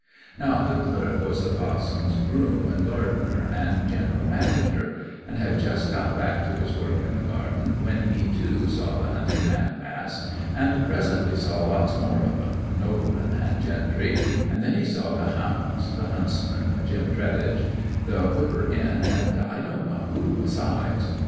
'Now the clerk was the parson's groom and gardener and jineral manager, and had just got back to his work in the garden when he, too, saw the hunting man pass, and presently saw lots more of 'em, noblemen and gentry, and then he saw the hounds, the huntsman, Jim Treadhedge, the whipper in, and I don't know who besides.